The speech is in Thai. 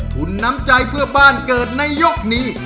ทุนน้ำใจเพื่อบ้านเกิดในยกนี้